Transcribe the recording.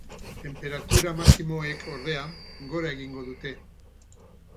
Tenperatura maximoek, ordea, gora egingo dute.